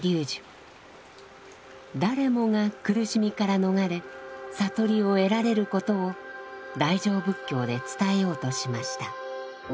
誰もが苦しみから逃れ悟りを得られることを大乗仏教で伝えようとしました。